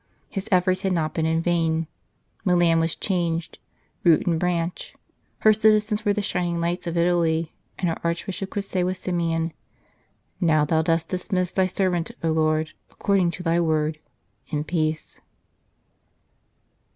His efforts had not been in vain ; Milan was changed, root and branch ; her citizens were the shining lights of Italy, and her Archbishop could say with Simeon :" Now Thou dost dismiss Thy servant, O Lord, according to Thy word, in peace."